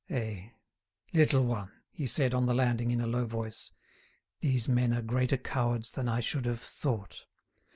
"Eh! little one," he said on the landing, in a low voice, "these men are greater cowards than I should have thought.